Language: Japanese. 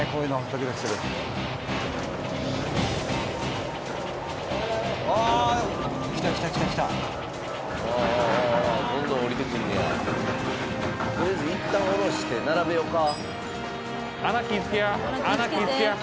とりあえずいったん降ろして並べようか。